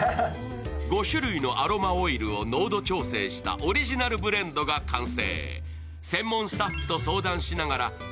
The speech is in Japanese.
５種類のアロマオイルを濃度調整したオリジナルブレンドが完成。